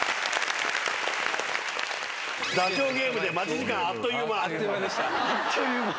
ダチョウゲームで待ち時間あっという間。